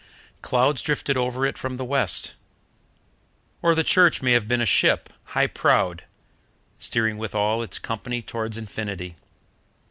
Clouds drifted over it from the west; or the church may have been a ship, high prowed, steering with all its company towards infinity.